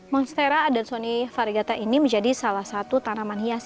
mengstera adan soni'i varigata ini menjadi salah satu tanaman hias